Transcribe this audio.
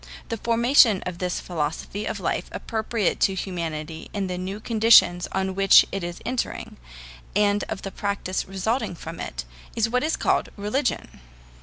The formation of this philosophy of life appropriate to humanity in the new conditions on which it is entering, and of the practice resulting from it, is what is called religion.